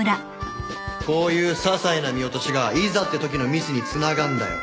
こういうささいな見落としがいざってときのミスにつながんだよ